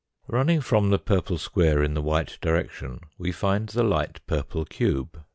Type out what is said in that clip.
Eunning from the purple square in the white direction we find the light purplejmbe.